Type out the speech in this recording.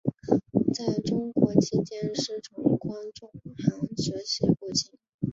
在中国期间师从关仲航学习古琴。